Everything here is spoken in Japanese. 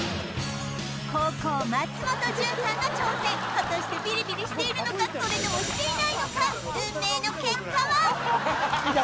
後攻・松本潤さんの挑戦果たしてビリビリしているのかそれともしていないのか運命の結果は？